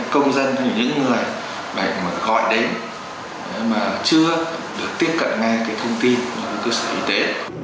công dân những người mà gọi đến mà chưa được tiếp cận ngay cái thông tin của cơ sở y tế